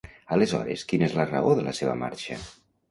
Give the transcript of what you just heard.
Aleshores, quina és la raó de la seva marxa?